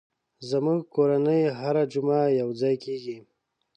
زموږ کورنۍ هره جمعه یو ځای کېږي.